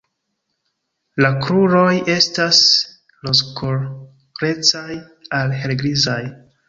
La kruroj estas rozkolorecaj al helgrizaj.